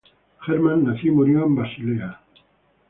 Hermann nació y murió en Basilea.